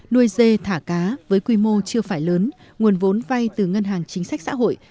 nuôi dê thả cá với quy mô chưa phải lớn nguồn vốn vay từ ngân hàng chính sách xã hội